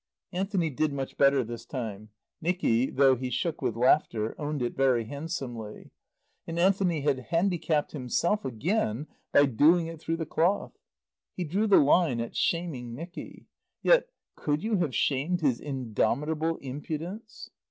Anthony did much better this time. Nicky (though he shook with laughter) owned it very handsomely. And Anthony had handicapped himself again by doing it through the cloth. He drew the line at shaming Nicky. (Yet could you have shamed his indomitable impudence?)